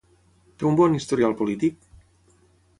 Té un bon historial polític?